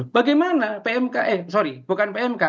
bagaimana pmk sorry bukan pmk